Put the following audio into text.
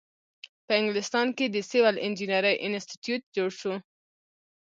په انګلستان کې د سیول انجینری انسټیټیوټ جوړ شو.